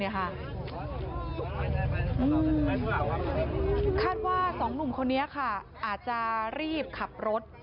คาดว่า๒หนุ่มคนนี้ค่ะอาจจะรีบขับรถ